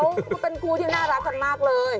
เขาเป็นคู่ที่น่ารักกันมากเลย